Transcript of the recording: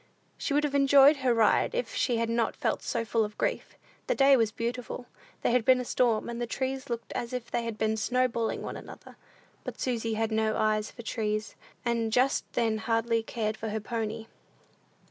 She would have enjoyed her ride if she had not felt so full of grief. The day was beautiful. There had been a storm, and the trees looked as if they had been snowballing one another; but Susy had no eye for trees, and just then hardly cared for her pony.